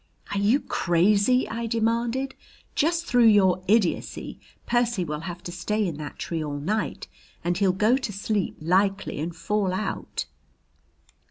"Are you crazy?" I demanded. "Just through your idiocy Percy will have to stay in that tree all night and he'll go to sleep, likely, and fall out."